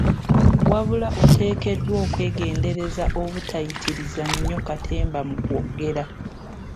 Wabula oteekeddwa okwegendereza obutayitiriza nnyo katemba mu kwogera.